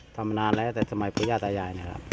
ทำมานานแล้วแต่สมัยพระยาตายายนะครับ